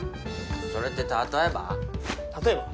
それって例えば？